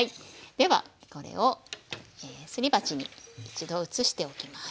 ではこれをすり鉢に一度移しておきます。